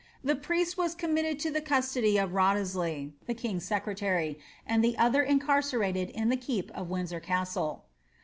The priest was committed to the custody of Wriothesley, the king's secretary, and the other incarcerated in the keep of Windsor Castle.'